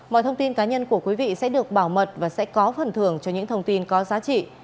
mọi thông tin cá nhân của quý vị sẽ được bảo mật và sẽ có phần thưởng cho những thông tin có giá trị